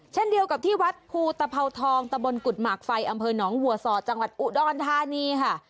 เช่นเดียวกับที่วัดภูตภาวทองตะบนกุฎหมากไฟอำเภอหนองวัวสอดจังหวัดอุดรธานีค่ะ